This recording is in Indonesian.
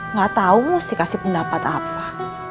nggak tahu mesti kasih pendapat apa